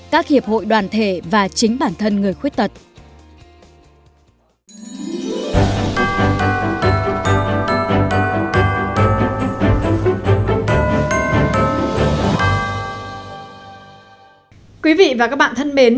các hiệp hội đoàn thể và chính bản thân người khuyết tật